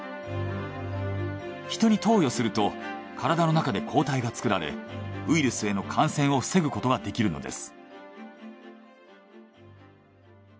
人に投与すると体の中で抗体が作られウイルスへの感染を防ぐことができるのです。